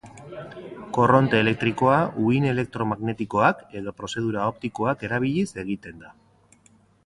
Korronte elektrikoa, uhin elektromagnetikoak edo prozedura optikoak erabiliz egiten da.